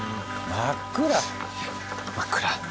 真っ暗。